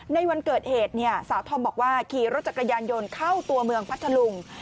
ในวันเกิดเหตุเนี่ยสาวธอมบอกว่าขี่รถจักรยานยนต์เข้าตัวเมืองพัทธลุง